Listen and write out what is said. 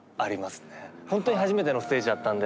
ほんとに初めてのステージだったんで。